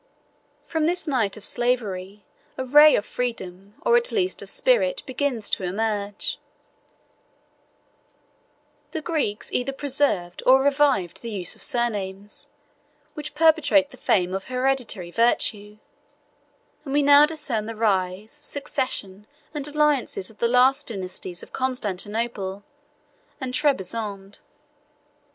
From this night of slavery, a ray of freedom, or at least of spirit, begins to emerge: the Greeks either preserved or revived the use of surnames, which perpetuate the fame of hereditary virtue: and we now discern the rise, succession, and alliances of the last dynasties of Constantinople and Trebizond.